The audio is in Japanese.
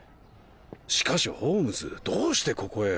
しかしホームズどうしてここへ？